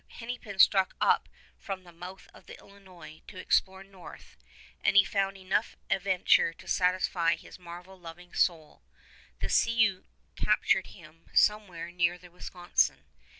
Hennepin struck up from the mouth of the Illinois, to explore north, and he found enough adventure to satisfy his marvel loving soul. The Sioux captured him somewhere near the Wisconsin.